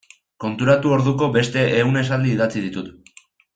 Konturatu orduko beste ehun esaldi idatzi ditut.